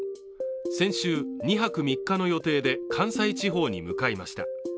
先週、２泊３日の予定で関西地方に向かいました。